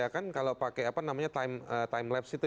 ya kan kalau pakai apa namanya timelapse itu